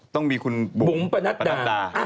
ต้องมีคุณบุ๋มประนัดดา